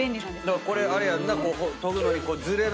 これあれやんな。